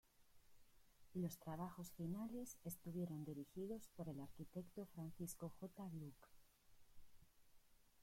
Los trabajos finales estuvieron dirigidos por el arquitecto Francisco J. Lluch.